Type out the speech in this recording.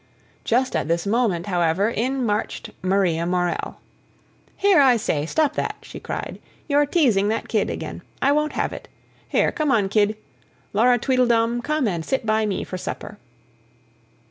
Just at this moment, however, in marched Maria Morell. "Here, I say, stop that!" she cried. "You're teasing that kid again. I won't have it. Here, come on, Kid Laura Tweedledum come and sit by me for supper."